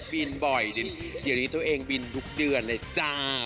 บินบ่อยเดี๋ยวนี้ตัวเองบินทุกเดือนเลยจ้า